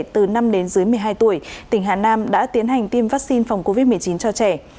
từ năm đến dưới một mươi hai tuổi tỉnh hà nam đã tiến hành tiêm vaccine phòng covid một mươi chín cho trẻ